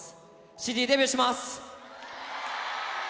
ＣＤデビューします！